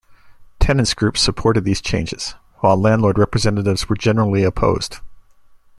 Tenants' groups supported these changes, while landlord representatives were generally opposed.